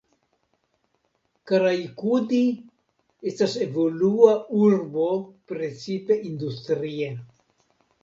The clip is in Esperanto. Karaikudi estas evolua urbo precipe industrie.